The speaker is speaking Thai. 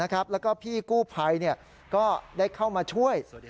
แล้วก็พี่กู้ภัยก็ได้เข้ามาช่วย